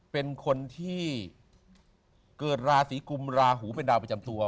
เป็นคนที่เกิดราศีกุมราหูเป็นดาวประจำตัว